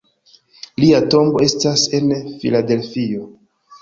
Lia tombo estas en Filadelfio.